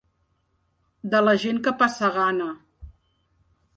De la gent que passa gana.